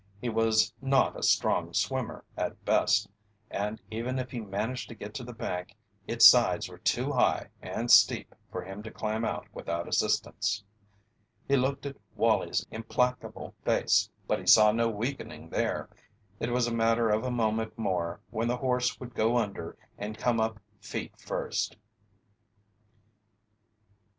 He was not a strong swimmer at best, and even if he managed to get to the bank its sides were too high and steep for him to climb out without assistance. He looked at Wallie's implacable face, but he saw no weakening there, it was a matter of a moment more when the horse would go under and come up feet first.